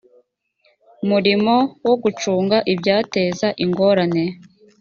murimo wo gucunga ibyateza ingorane